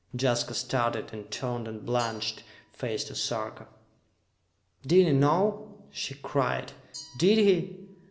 Jaska started, and turned a blanched face to Sarka. "Did he know?" she cried. "Did he?